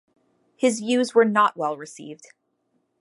His views were not well received.